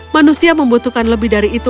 manusia membutuhkan lebih dari itu